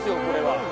これは！